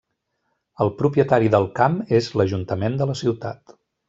El propietari del camp és l'ajuntament de la ciutat.